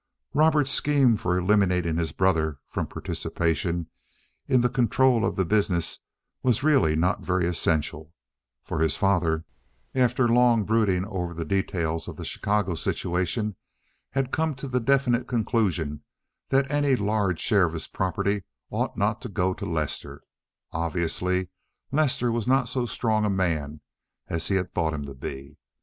Robert's scheme for eliminating his brother from participation in the control of the business was really not very essential, for his father, after long brooding over the details of the Chicago situation, had come to the definite conclusion that any large share of his property ought not to go to Lester. Obviously, Lester was not so strong a man as he had thought him to be.